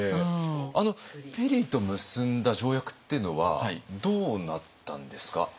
ペリーと結んだ条約っていうのはどうなったんですか？